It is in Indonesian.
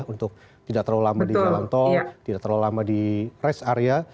untuk tidak terlalu lama di jalan tol tidak terlalu lama di rest area